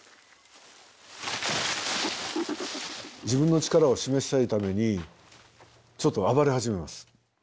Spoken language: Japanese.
自分の力を示したいためにちょっと暴れ始めます。